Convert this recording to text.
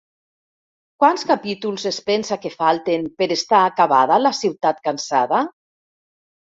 Quants capítols es pensa que falten per estar acabada La ciutat cansada?